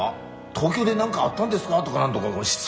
東京で何かあったんですか？」とか何とかしつ